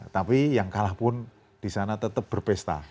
tapi yang kalah pun di sana tetap berpesta